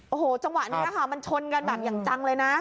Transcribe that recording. โอ้โหจังหวะนี้ค่ะมันชนกันแบบอย่างจังเลยนะ